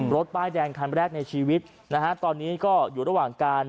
รถป้ายแดงคันแรกในชีวิตนะฮะตอนนี้ก็อยู่ระหว่างการ